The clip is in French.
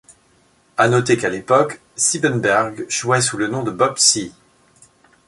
À noter qu'à l'époque, Siebenberg jouait sous le nom de Bob Cee.